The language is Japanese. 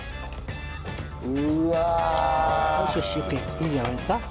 いいんじゃないですか？